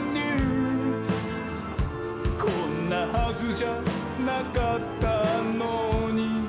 「こんなはずじゃなかったのに」